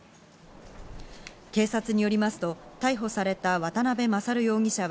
警察によりますと、逮捕された渡辺勝容疑者は、